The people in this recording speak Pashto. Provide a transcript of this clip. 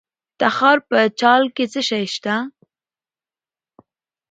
د تخار په چال کې څه شی شته؟